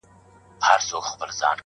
را نصیب چي یې څپې کړې د اسمان کیسه کومه -